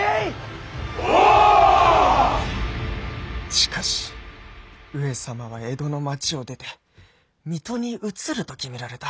しかし上様は江戸の町を出て水戸に移ると決められた。